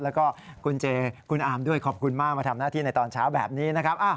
แล้วก็คุณเจคุณอาร์มด้วยขอบคุณมากมาทำหน้าที่ในตอนเช้าแบบนี้นะครับ